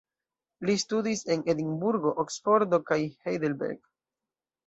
Li studis en Edinburgo, Oksfordo kaj Heidelberg.